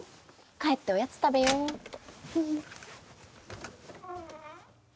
帰っておやつ食べよっと。